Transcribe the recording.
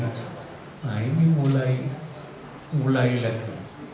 nah ini mulai lagi